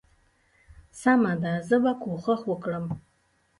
سمه ده زه به کوشش وکړم.